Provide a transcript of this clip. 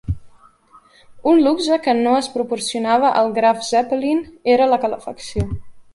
Un luxe que no es proporcionava al "Graf Zeppelin" era la calefacció.